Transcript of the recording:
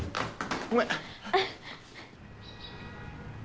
ごめん。